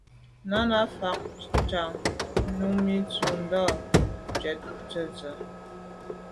Náná lù fá càŋ Númí tɔ̌ tûɁndá ŋkɔ̀k tə̀tswə́Ɂ.